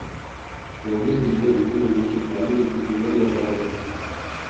Mobil hijau itu menyusul kami di tikungan berbahaya.